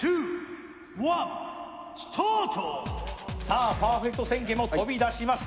さあパーフェクト宣言も飛び出しました。